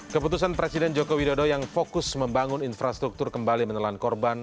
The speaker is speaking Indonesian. keputusan presiden joko widodo yang fokus membangun infrastruktur kembali menelan korban